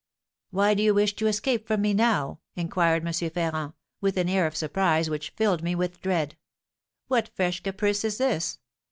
'Why do you wish to escape from me now?' inquired M. Ferrand, with an air of surprise which filled me with dread. 'What fresh caprice is this?